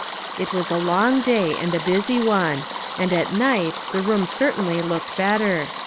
It was a long day, and a busy one. And at night, the room certainly looked better.